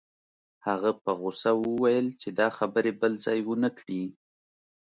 هغه په غوسه وویل چې دا خبرې بل ځای ونه کړې